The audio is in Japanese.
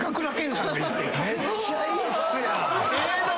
めっちゃいいっすやん！